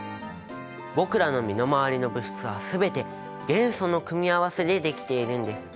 僕らの身の回りの物質は全て元素の組み合わせで出来ているんです。